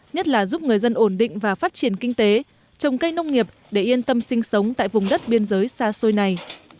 nhất là giúp người dân ổn định và phát triển kinh tế trồng cây nông nghiệp để yên tâm sinh sống tại vùng đất biên giới xa xôi này